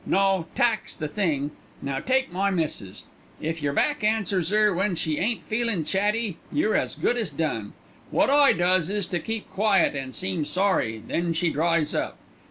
No, tack's the thing. Now take my missis. If yer back answers 'er when she ain't feelin' chatty, you're as good as done. Wot I does is to keep quiet an' seem sorry, then she dries up.